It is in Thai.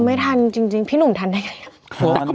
ไม่ทันจริงพี่หนูมันทันกันได้ไหมครับ